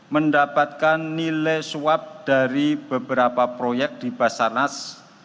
mendapatkan nilai swab dari beberapa proyek di basarnas